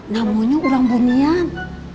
namanya orang bunian